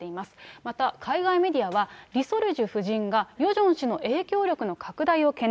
また、海外メディアは、リ・ソルジュ夫人がヨジョン氏の影響力の拡大を懸念。